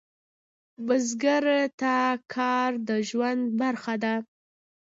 بزګر ته کار د ژوند برخه ده